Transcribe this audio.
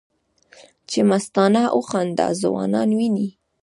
چې مستانه او خندانه ځوانان وینې